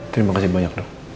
terima kasih banyak dok